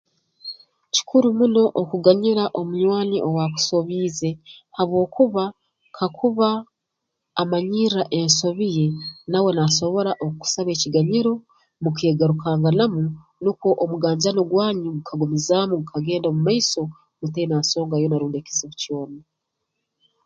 Kikuru muno okuganyira omunywani owaakusobiize habwokuba kakuba amanyirra ensobi ye nawe naasobora okukusaba ekiganyiro mukeegarukanganamu nukwo omuganjano gwanyu gukagumizaamu gukagenda mu maiso mutaine nsonga yoona rundi ekizibu kyona